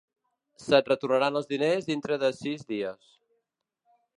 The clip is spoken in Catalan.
Se't retornaran els diners dintre de sis dies.